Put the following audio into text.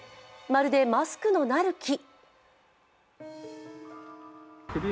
まるでマスクのなる木。